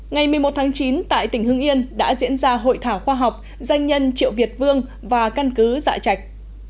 ngày một mươi một tháng chín tại tỉnh hưng yên đã diễn ra hội thảo khoa học danh nhân triệu việt vương và căn cứ dạ chạch